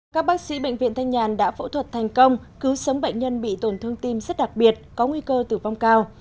các bác sĩ bệnh viện thanh nhàn đã phẫu thuật thành công cứu sống bệnh nhân bị tổn thương tim rất đặc biệt có nguy cơ tử vong cao